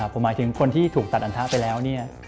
ผมหมายถึงคนที่ถูกตัดอรรถะไปแล้ว